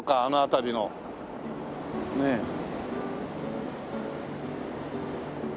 あの辺りのねえ。